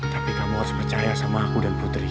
tapi kamu harus percaya sama aku dan putri